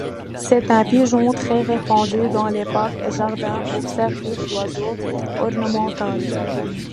C'est un pigeon très répandu dans les parcs et jardins pour servir d'oiseau ornemental.